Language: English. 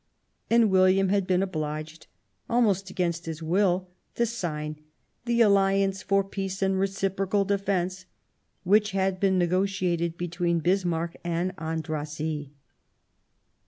And William had been obliged, almost against his will, to sign " the Alliance for Peace and Reciprocal Defence," which had been negotiated directly between Bis marck and Andrassy.